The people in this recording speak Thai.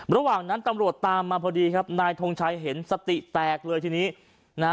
ระหว่างนั้นตำรวจตามมาพอดีครับนายทงชัยเห็นสติแตกเลยทีนี้นะฮะ